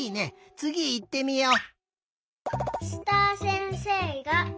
つぎいってみよう。